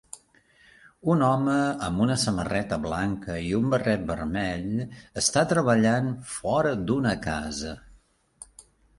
Un home amb una samarreta blanca i un barret vermell està treballant fora d'una casa.